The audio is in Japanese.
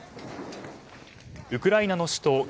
ウクライナの首都